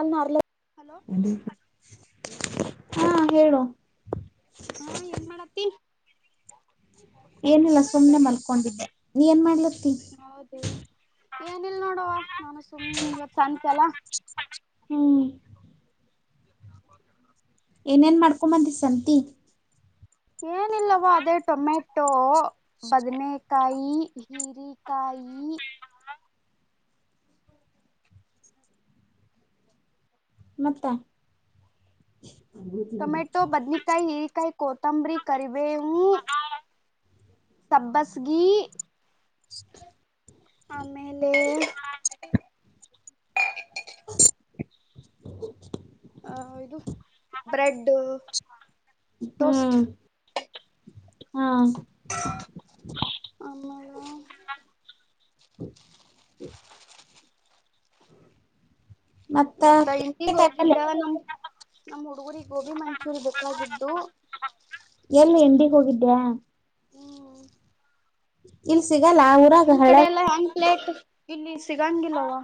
ಅಲ [inaudible] ಹಾ ಹೇಳು ಹಾ ಏನ್ ಮಾಡತ್ತಿ ಏನಿಲ್ಲ ಸುಮ್ನೆ ಮಲ್ಕೊಂಡಿದ್ದೆ ನೀ ಏನ್ ಮಾಡ್ಲ ಹೌದು ಏನಿಲ್ ನೋಡವ ನಾನು ಸುಮ್ ಇವತ್ ಸಂತಲ್ಲ ಹ್ಮ್ ಯಾ [unintelligible] ಏನೇನ್ ಮಾಡ್ಕೊಂಬಂದಿ ಸಂತಿ ಏನಿಲ್ಲವ ಅದೇ ಟೊಮೆಟೊ ಬದನೇಕಾಯಿ ಹಿರಿಕಾಯಿ [inaudible] ಮತ್ತ ಟೊಮೆಟೊ ಬದ್ನಕಾಯಿ ಹೀರಿಕಾಯಿ ಕೊತ್ತಂಬರಿ ಕರಿಬೇವು ಸಬ್ಬಸ್ಗಿ ಗೆ ಆಮೇಲೆ [unintelligible] ಹ ಇದು ಬ್ರೆಡ್ ಟೋಸ್ಟ್ ಹ್ಮ್ ಹಾ ಆಮ ಹ ಹ ಮತ್ತ ಇವತ್ತ ಇಟಿಗೆ ಹೋಗಿದ್ದ ಕಾಯಿಪಲ್ಯ ನಮ್ ನಮ್ಮ್ ಹುಡುಗರಿಗೆ ಗೋಬಿ ಮಂಚೂರಿ ಬೇಕಾಗಿದ್ದು ಎಲ್ಲಿ ಎಂಡಿಗ್ ಹೋಗಿದ್ದ್ಯಾ ಹ್ಮ್ ಇಲ್ ಸಿಗಲ್ಲ ಆ ಊರಾಗ ಹ ಪ್ೇಟ್ ಇಲ್ಲಿ ಸಿಗಂಗಿಲ್ಲವಾ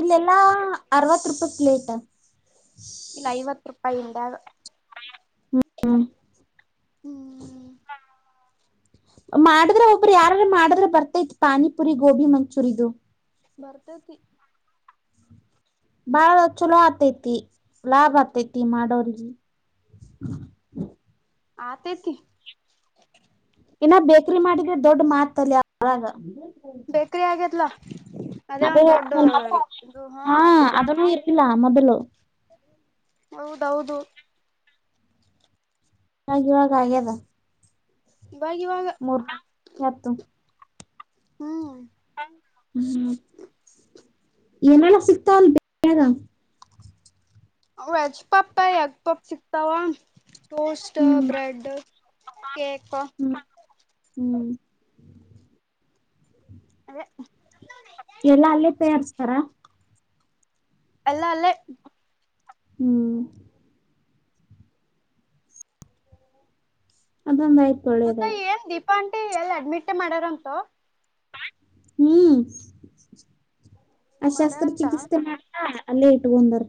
ಇಲ್ಲೆಲ್ಲಾ ಅರವತ್ತು ರೂಪಾಯಿ ಪ್ಲೇಟ್ ಇಲ್ಲ ಐವತ್ತು ರೂಪಾಯಿಂದ ಹ್ಮ್ ಹ್ಮ್ ಮಾಡಿದ್ರೆ ಒಬ್ಬರು ಯಾರಾರ ಮಾಡಿದ್ರ ಬರ್ತೈತಿ ಪಾನಿಪುರಿ ಗೋಬಿ ಮಂಚೂರಿ ಇದು ಬರ್ತತಿ ಬಾಳ ಚಲೋ ಆತೈತಿ ಲಾಭ್ ಆತೈತಿ ಮಾಡೋ್ರಗ ಹಾತತಿ ಇನ್ನ ಬೇಕ್ರಿ ಮಾಡಿದ್ರೆ ದೊಡ್ ಮಾತಲ್ಲಿ ಬೇಕ್ರ ಆಗದಲಾ ಅೇ ಹಾ ಅದನ್ನುೂ ಇರ್ಲ್ಲ ಮೊದಲು ಹೌದೌದು ಹಗವಾಗ ಆಾಗದ ಇವಾಗ ಇವಾಗ ಮೂರ್ ಹತ್ತು ಹ್ಮ್ ಹ್ಮ ಏನೆಲ್ಲ ಸಿಕ್ತಾವ ಅಲ್ ಬಾಗ ವೆಜ್ ಪಾಪ ಎಗ್ ಪಾಪ್ ಸಿಕ್ತಾವ ಟೋಸ್ಟ್ ಹ್ಮ್ ಬ್ರೆಡ್ ಕಕ್ ಹ್ಮ್ ಹ್ಮ್ ಅದೇ ಎಲ್ಲಾ ಅಲ್ಲೇ ಪೇಯರ್ಸ್ತಾರ ಅಲ್ಲ ಅಲ್ಲ ಹ್ಮ್ ಅದಮ್ಮ ಮತ್ತ ಏನ್ ದೀಪಾಂಟಿ ಎಲ್ಲಿ ಅಡ್ಮಿಟ್ ಮಾಡ್ಯಾರಂತು ಹ್ಮ್ ಅ ಶಸ್ತ್ರ ಮಾಡ್ಯಾರಂತ ಚಿಕಿತ್ಸೆ ಮಾಡ ಅಲ್ಲೇ ಇಟ್ಟುಗೊಂದರ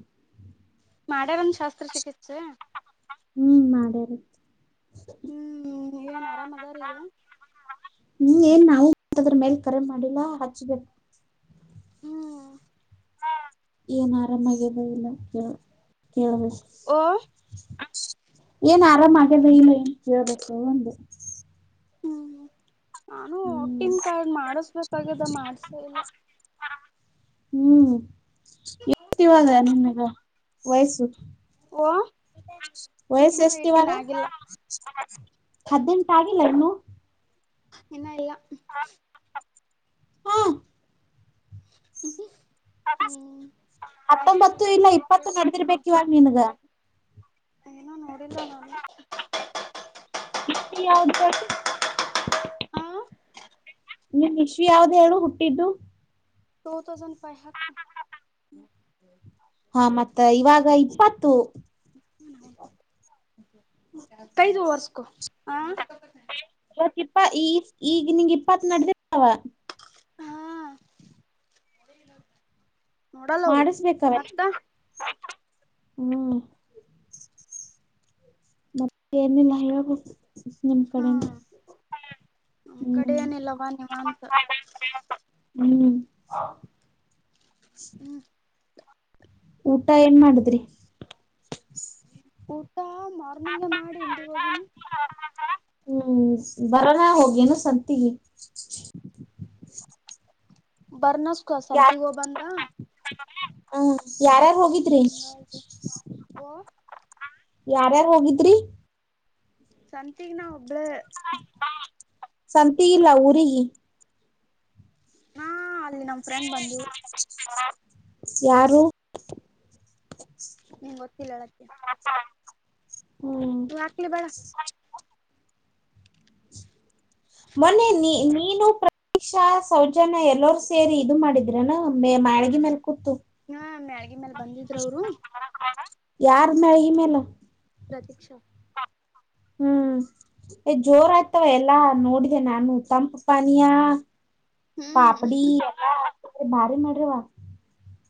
ಮಾಡ್ಯಾರನ್ ಶಾಸ್ತ್ರ ಚಿಕಿತ್ಸೆ ಹ್ಮ್ ಮಾಡ್ಯಾರ ಹ್ಮ್ ಏನ್ ಆರಾಮ್ ಅದಾರ ಈಗ ಹ್ಮ್ ಏನ್ ನಾವು ಅದ್ರ ಮೇಲ್ ಕರೆ ಮಾಡಿಲ್ಲಾ ಹಚ್ಬೇಕ ಹ್ಮ್ ಏನ್ ಆರಾಮಾಗಿದೆ ಇಲ್ಲ ಕ ಹ ಓ ಏನ ಆರಾಮ ಆಗ್ಯದ ಇಲ್ಲ ಕೇಳಬೇಕು ಒಂದು ಹ್ಮ್ ನಾನು ಒಟ್ಟನ್ ಕಾಳ ಮಾಡಸ್ಬೇಕಾಗಿದ್ದ ಮಾಡ್ಸ ಇಲ್ಲ ಹ್ಮ್ ಎತಿ ಇವಾಗ ನಿಮಗೆ ವಯಸ್ಸು ಓ ವಯಸ ಇನ್ನು ಎಷ್ಟ ಇವಾಗ ಏಟೀನ್ ಆಗಿಲ್ಲ ಹದ್ೆಟ ಆಗಿಲ್ಲ ಇನ್ನು ಇನ್ನ ಎಲ್ಲ ಹಾ ಹ್ಮ ಹತ್ತೊಂಬತ್ತು ಇಲ್ಲ ಇಪ್ಪತ್ತು ನಡ್ದಿರ್ಬೇಕಕ್ ಇವಾಗ ನಿನ್ಗ ಏನೂ ನೋಡಿಲ್ಲ ನಾನು ಇ ಯಾವ್ದ ಹೇಳು ಹ ನಿನ್ ಇಸ್ವಿ ಯಾವ್ದ ಹೇಳು ಹುಟ್ಟಿದ್ದು ಟೂ ತೌಸಂಡ್ ಫೈವ್ ಹಾ ಮತ್ತ ಇವಾಗ ಇಪ್ಪತ್ತು ಕೈ ದು ಹೊರಸ್ಕೊ ಹ ಮತ್ ಇಪ್ಪ ಈ ಈಗ ನಿನ್ಗೆ ಇಪ್ಪತ್ ನಡದಿರ್ತಾವ ಹಾ ನೋಡಲ್ಲ ಅವರು ಮತ್ತ ಹ್ಮ ಏನ್ ಇಲ್ಲ ಹೇಳ್ಬೇಕ್ ನಿಮ್ಮ ಹಾ ಕಡೆನೇ ನಮ್ ಕಡ ಏನಿಲ್ಲವಾ ನಿಮ್ಮ ಅಂತ ಹ್ಮ್ ಹ್ಮ್ ಊಟ ಏನ್ ಮಾಡಿದ್ರಿ ಹ ತ್ತಾ ಮಾರ್ನಿಂಗ್ಗೆ ಮಾಡಿ ಇಂಡಿಗೆ ಹೋಗನಿ ಹ್ಮ್ ಬರೋಣ ಹೋಗೇನು ಸಂತ ಬರ್ನಸ್ಕ ಸಂತಗೋ ಬಂದ ಹ್ಮ ಯಾರಾರ್ ಹೋಗಿದ್ರಿ ಹಂಗ ಓ ಯಾರ್ಯಾರ್ ಹೋಗಿದ್ರಿ ಸಂತಗ ನಾ ಒಬಳ ಸಂಂತಗೆ ಲವುರಿ ಹಿ ಹಾ ಅಲ್ಲಿ ನಮ್ ಫ್ರೆಂಡ್ ಬಂದವು ಯಾರು ನಿಂಗ ಗೊತ್ತಿಲ್ಲ ಅಡಕ್ಕೆ ಹ್ಮ್ ಹ ಮನೆ ನೀ ನೀನು ಪ್ರ ಈಕ್ಷಾ ಸೌಜನ ಎಲ್ಲರ ಸೇರಿ ಇದು ಮಾಡಿದ್ರನಾ ಮ ಮ್ಯಾಳಗ ಮೇಲ್ ಕೂತು ಹ್ಮ ಮ್ಯಾಡಗ ಮೇಲೆ ಬಂದಿದ್ರು ಅವರು ಯಾರ ಮಳಹಿ ಮೇಲೆ ಪ್ರತೀಕ್ಷಾ ಹ್ಮ್ ಏ ಜೋರ ಆಯ್ತವ ಎಲ್ಲಾ ನೋಡಿದೆ ನಾನು ತಂಪ ಪಾನಯ ಹ್ಮ್ ಪಾಪಡಿ ಎಲ್ಲ ಭಾರಿ ಮಾಡ್ರವಾ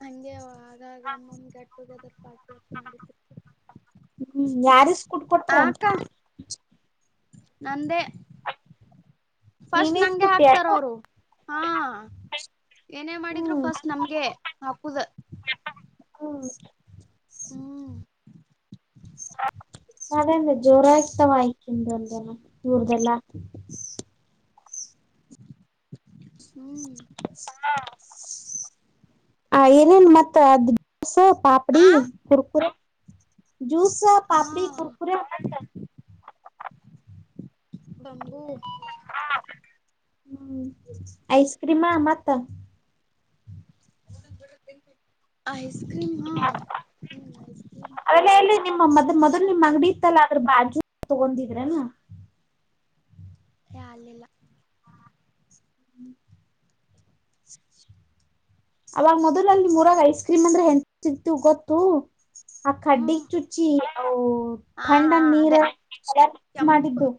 ಹಂಗೆ ಆಗಾಗ ಒಮ್ಮೊಂದ ಗೆಟ್ ಟುಗೆದರ್ ಪಾರ್ಟಿ ಅ ಮಾಡಿಸಿತ್ತು ಹ್ಮ್ ಯಾರಸ್ ಕುಟ್ ಕೊಟ್ರಂ ನಂದೆ ಫಸ್ಟ್ ನೀನೇ ನಂಗೆ ಸ್ಕೂಟಿ ಹಾಕ್ತಾರ ಅಲ್ಲ? ಅವರು ಹಾ ಏನೇ ಮಾಡಿದ್ರು ಹ್ಮ್ ಫಸ್ಟ್ ನಮ್ಗೆ ಹಾಕುದ ಹ್ಮ ಹ್ಮ್ ಅದೇ ಜೋರ ಇತ ವಾಯಕ ಎಂದ ಕೂರುದಲ್ಲ ಹ್ಮ್ ಆ ಏನೇನ್ ಮತ್ತ ಅದ್ ಸ ಪಾಪಡಿ ಆ ಕುರ್ಕುರು ಜೂಸ ಹಾ ಪಾಪಡಿ ಕುರ್ಕುರ ಬಂಬೂ ಹ್ಮ ಐಸ್ ಕ್ರೀಮಾ ಮತ್ತ ಆ ಕ್ರೀಮ್ ಅವೆಲ್ಲಾ ಎಲ್ಲಿ ನಿಮ್ಮ ಮದ್ ಮೊದ್ಲು ಮತ್ತ ನಿಮ್ಮ್ ಅಂಗಡಿ ಇತ್ತಲ್ಲ ಆದ್ರ ಬಾಜ ತಗೊಂಡಿದ್ರೆನ ಹಾ ಅಲ್ಲಿಲ್ಲ [unintelligible] ಅವಾಗ ಮೊದ್ಲ ಅಲ್ಲಿ ನಿಮೂರಾಗ ಐಸ್ ಕ್ರೀಮ್ ಅಂದ್ರೆ ಹೆಂಗ ಸಿಗ್ತಿವ ಗೊತ್ತು ಆ ಹ್ಮ ಕಡ್ಡಿಗ ಚುಚಿ ಹ್ಮ ಹಾ ಹಾ ತಂಡನ ನೀರ ಅದೇ ಕೆಂಪ್ ಮಾಡಿದ್ದು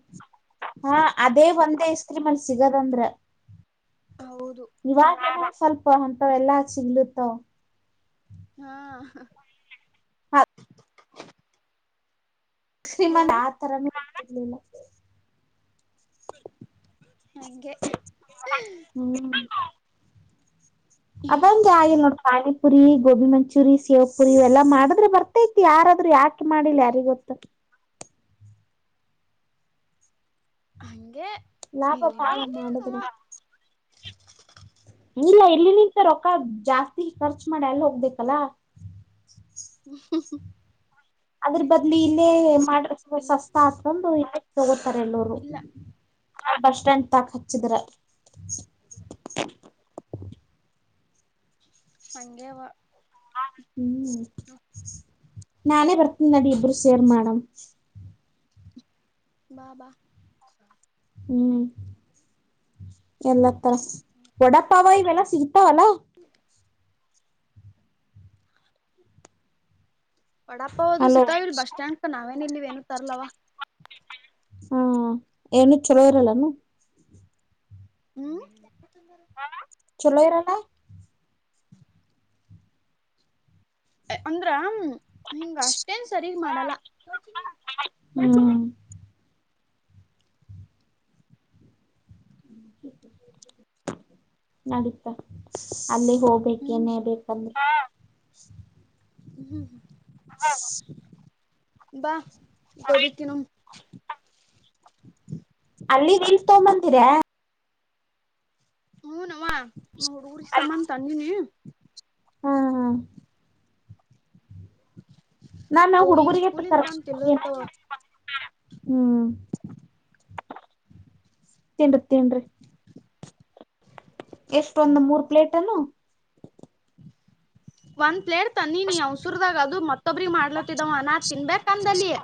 ಹಾ ಅದೇ ಒಂದ್ ಐಸ್ ಕ್ರೀಮ್ ಅಲ್ಲಿ ಸಿಗದಂದ್ರ ಹೌದು ಇವಾಗ ಸ್ವಲ್ಪ ಅಂತವ್ ಎಲ್ಲಾ ಸಿಗ್ಲತ್ತಾವ ಹಾ ಓ ಶ್ರೀಮಂತ ಆತರೇ ಹಂಗೆ ಅದಂದು ಆಗಿಲ್ಲ ನೋಡ್ ಪಾನಿಪುರಿ ಗೋಬಿ ಮಂಚೂರಿ ಶೇವ ಪುರಿ ಇವೆಲ್ಲಾ ಮಾಡಿದ್ರ ಬರ್ತೈತಿ ಯಾರಾದ್ರೂ ಯಾಕ ಮಾಡಿಲ್ಲ ಯಾರಿಗೊತ್ತು ಹಂಗೆ ಲಾಭ ಇಲ್ಲಿ ಬಾಳ ಮಂದಿನವ ಮಾಡಿದರ ಇಲ್ಲ ಇಲ್ಲಿನಿಂತ ರೂಕ್ಕ ಜಾಸ್ತಿ ಖರ್ಚ ಮಾಡಿ ಅಲ್ಲ ಹೋಗ್ಬೇಕಲ್ಲ ಹ್ಮ ಅದ್ರ ಬದ್ಲಿ ಇಲ್ಲೇ ಮಾಡಿದ್ರ ಇಲ್ಲವ ಸಸ್ತ ಆತಂದು ಇಲ್ಲೇ ತಗೂತ್ತಿವಿ ತಾರ ಎಲ್ಲರೂ ಇಲ್ಲ ಬಸ್ ಸ್ಟ್ಯಾಂಡ್ ತಾಕ್ ಹಚ್ಚಿದ್ರ ಹಂಗೆ ಅವ ಹ್ಮ್ ನಾನೇ ಬರ್ತೀನ ನಡಿ ಇಬ್ರು ಸೇರಿ ಮಾಡಮ ಬಾ ಬಾ ಹ್ಮ್ ಎಲ್ಲ ತರ ವಡಪಾವ ಇವೆಲ್ಲ ಸಿಗ್ತಾವಲ್ಲ ವಡಪ್ಪಾವ ಹದು ಹಲೋ ಸೀತಾವಿಲ್ ಬಸ್ ಸ್ಟ್ಯಾಂಡ್ಕ ನಾವೇನ್ ಇಲ್ಲಿವ ಏನು ತರ್ಲವಾ ಹಾ ಏನು ಚಲೋ ಇರಲ್ಲನು ಹ್ಮ್ ಹ ಚೂಲ್ಲಯಿರಲ್ಲ ಅಂದ್ರ ಹಿಂಗ ಅಷ್ಟೇನ್ ಸರಿಗ ಮಾಡಲ್ಲ ಹ್ಮ ನಡಿತಾ ಅಲ್ಲಿ ಹ್ಮ್ ಹೋಗ್ಬೇಕೇನೇ ಬಲ್ಲಿ ಹ್ಮ ಹ್ಮ್ ಹ್ಮ್ ಹಾ ಬಾ ಗೋಬಿ ತಿನ್ನಮ್ಮ ಅಲ್ಲಿದ ಇಲ್ ತೊಂಬಂದಿರ ಹೂ ನವ ನಾ ಹುಡುಗುರ ಸಂಬಂಧ ತಂದಿನಿ ಹಾ ಹಾ ನಾನು ಅವು ಈಗ ಹುಡುಗುರಿಗೆತ್ತ ಸ್ಕೂಲಿಂದ ತರಸ ಬಂದ್ ತಿಲ್ಲೋತವ ಹ್ಮ್ ತಿನ್ರಿ ತಿನ್ರಿ ಎಷ್ಟೊಂದು ಮೂರ್ ಪ್ಲೇಟನು ಒಂದ ಪ್ಲೇಟ್ ತನ್ನಿ ನೀ ಅವಸುರದಾಗ ಅದು ಮತ್ತೊಬ್ರಿಗೆ ಮಾಡ್ಲತ್ತಿದವ ನಾ ತಿನ್ಬೇಕ್ ಅಂದಲ್ಲಿಯ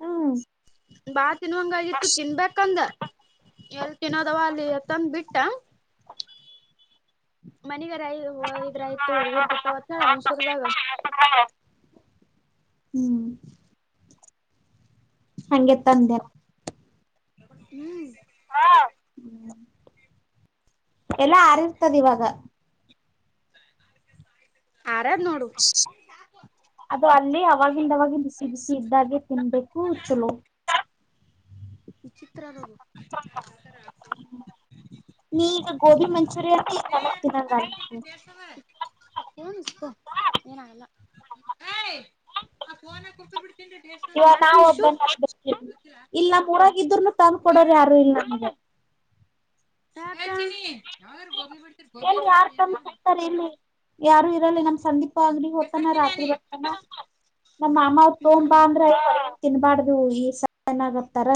ಹಾ ಬಾತ್ ತಿನ್ವಂಗ ಆಗಿತ್ತು ತಿನ್ಬೇಕಂದೆ ಎಲ್ ತಿನ್ನೋದವ ಅಲ್ಲಿ ಎತ್ತಂದ ಬಿಟ್ಟ ಮನಿಗ ಹ ವೈದರಾಯತು ಹುಡುಗುರ ತಿಂತಾವಂತ ಹೇಳಿ ಅವಸರದಾಗ ಹ್ಮ್ ಹಗೆ ತಂದೆ ಹ್ಮ್ ಎಲ್ಲಾ ಹಾರಿರ್ತದ ಇವಾಗ ಆರ ನೋಡು ಇದು ಅಲ್ಲಿ ಅವವಾಗಿಂದ ಅವವಾಗಿ ಬಿಸಿ ಬಿಸಿ ಇದ್ದಾಗೆ ತಿನ್ಬೇಕು ಚಲೋ ಈ ಚಿತ್ರ ನ ನೀ ಈಗ ಗೋಬಿ ಮಂಚೂರಿಯನ್ ಈ ನಾಲಕ ತಿನ್ನದು ನ್ ಏನಾಗಲ್ಲ ಇ ಮತ್ ನಾವ್ ನಿಶು ಒಬ್ಬ ಇಲ್ ನಮ್ಮ್ ಊರಾಗಿದ್ರರುನು ತಂದ್ಕೊಡೋರ ಯಾರು ಇಲ್ ಹ ಎಲ್ಲಿ ಯಾರ್ ತಂದ್ ಹಾಕ್ತಾರ ಇಲ್ಲಿ [unintelligible] ಯಾರು ಇರಲಿ ನಮ್ ಸಂದೀಪ್ ಅಂಗಲಿ ಹೊತ ನ ರತ್ರಿ ಬ ನ ಮಾಮ ತೋಂಬ ಬಾಧ ರತ ತಿನ್ಬಾರ್ದು ಈ ಚೆನ್ನಾಗತಾರ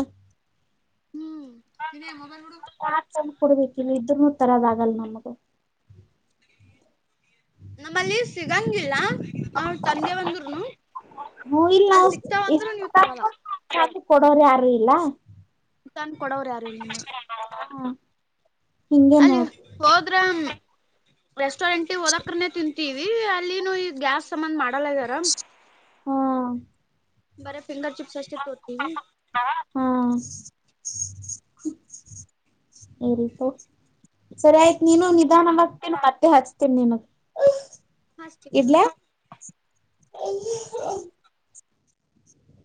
ಹ್ಮ್ ತಿನ್ನೇ ಮೊಬೈಲ್ ಬಿಡು ಕೊಡ್ಬೇಕ ಇಲ್ಲ ಇದ್ರನು ತರದ ಆಗಲ್ಲ ನಮಗ ನಮ್ಮಲ್ಲಿ ಸಿಗಂಗಿಲ್ಲ ನಾವ್ರ ತಂದೆ ಬಂದರುನು ಹ್ಮ ಇಲ್ಲ ನಾವ ಎಷ್ಟ [unintelligible] ಕೊಡೋರ ಯಾರುೂ ಇಲ್ಲ ತನ್ ಕೊಡವರು ಯಾರು ಇ ನಿಮ್ಮ ಹಾ ಹಿಂಗೆ ಅಲ್ಲಿ ನೋಡ್ ಹೋದ್ರ ರೆಸ್ಟೋರೆಂಟ ಹೋದಕನೆ ತಿಂತೀವಿ ಅಲ್ಲಿನು ಈ ಗ್ಯಾಸ್ ಸಂಬಂಧ ಮಾಡಲ್ಲ ಇದ್ದಾರ ಹಾ ಬರ ಫಿಂಗರ್ ಚಿಪ್ಸ್ ಅಷ್ಟೇ ತೋತೀವಿ ಆರಿಪಾ ಸರಿ ಆಯ್ತು ನೀನು ಹ್ಮ್ ನಿಧಾನಾಗಗ್ತೇನ ಮತ್ತೆ ಕಟ್ಟೆ ಹಚ್ತೇನಿ ನೀನು ಹಾಷ್ಟತ ಹ್ಮ ಹ